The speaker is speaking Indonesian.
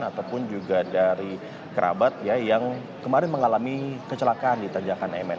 ataupun juga dari kerabat yang kemarin mengalami kecelakaan di tanjakan mn